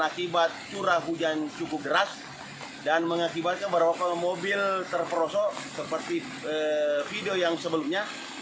akibat curah hujan cukup deras dan mengakibatkan beberapa mobil terperosok seperti video yang sebelumnya